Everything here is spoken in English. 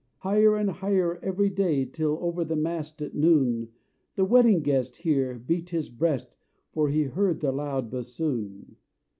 Higher and higher every day, Till over the mast at noon " The Wedding Guest here beat his breast, For he heard the loud bassoon.